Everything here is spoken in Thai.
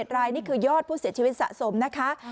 รายนี่คือยอดผู้เสียชีวิตสะสมนะคะ